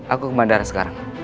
aku ke bandara sekarang